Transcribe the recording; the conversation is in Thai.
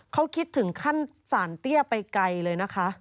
เขาคิดถึงขั้นสารเตี้ยไปไกลเลยนะคะ